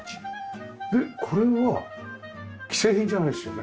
これは既製品じゃないですよね？